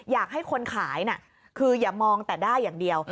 อยากให้คนขายน่ะคืออย่ามองแต่ได้อย่างเดียว